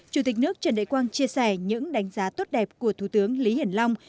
chủ tịch nước trần đại quang chia sẻ những đánh giá tốt đẹp của thủ tướng lý hiển long